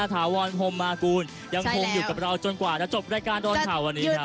ถาวรพรมมากูลยังคงอยู่กับเราจนกว่าจะจบรายการดอนข่าววันนี้ครับ